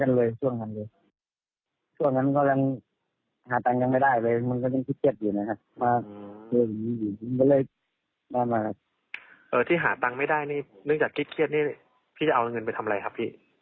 ก็ต้องหาตังค์ใจช่ายเช่านี่ไงครับ